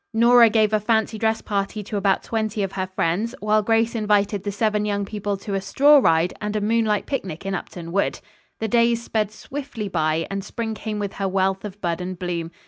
Nora gave a fancy dress party to about twenty of her friends, while Grace invited the seven young people to a straw ride and a moonlight picnic in Upton Wood. The days sped swiftly by, and spring came with her wealth of bud and bloom.